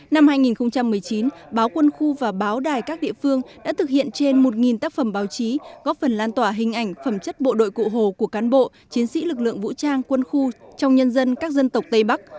năm hai nghìn một mươi chín báo quân khu và báo đài các địa phương đã thực hiện trên một tác phẩm báo chí góp phần lan tỏa hình ảnh phẩm chất bộ đội cụ hồ của cán bộ chiến sĩ lực lượng vũ trang quân khu trong nhân dân các dân tộc tây bắc